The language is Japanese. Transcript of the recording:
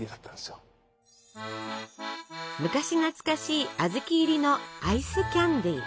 昔懐かしいあずき入りのアイスキャンデー。